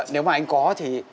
nếu mà anh có thì